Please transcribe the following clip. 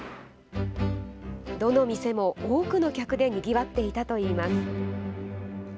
どの店も多くの客でにぎわっていたといいます。